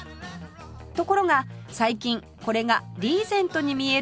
ところが最近これがリーゼントに見えると話題に